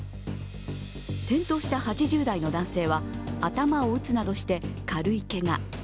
転倒した８０代の男性は頭を打つなどして軽いけが。